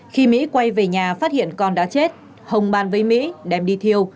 khi mỹ quay về nhà phát hiện con đã chết hồng bàn với mỹ đem đi thiêu